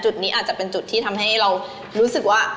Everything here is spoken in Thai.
จุดนี้อาจจะเป็นจุดที่ทำให้เรารู้สึกว่า